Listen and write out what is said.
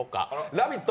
ラヴィット！